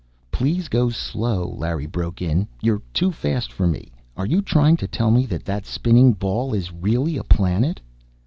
"Please go slow!" Larry broke in. "You're too fast for me. Are you trying to tell me that that spinning ball is really a planet?"